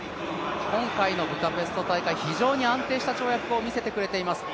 今回のブダペスト大会非常に安定した跳躍を見せてくれています。